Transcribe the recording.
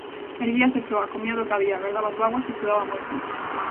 Erguíase soa, comía do que había, gardaba as bágoas e estudaba moito.